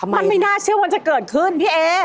มันไม่น่าเชื่อว่าจะเกิดขึ้นพี่เอ